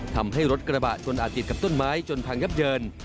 ทำให้รถกระบะชนอาจติดกับต้นไม้จนพังยับเยิน